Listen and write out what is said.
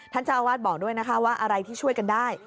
เจ้าอาวาสบอกด้วยนะคะว่าอะไรที่ช่วยกันได้